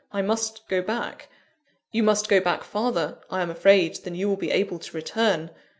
I must go back " "You must go back farther, I am afraid, than you will be able to return.